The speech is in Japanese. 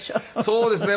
そうですね。